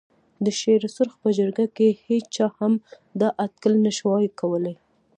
د شېر سرخ په جرګه کې هېچا هم دا اټکل نه شوای کولای.